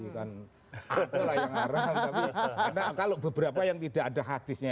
karena kalau beberapa yang tidak ada hadisnya